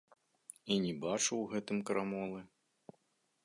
І не бачу ў гэтым крамолы.